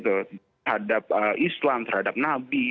terhadap islam terhadap nabi